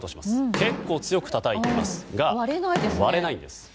結構強くたたいていますが割れないんです。